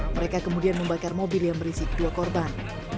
mereka kemudian membakar mobil yang berisi kedua korban